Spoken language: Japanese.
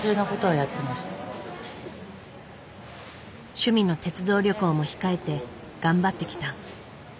趣味の鉄道旅行も控えて頑張ってきた。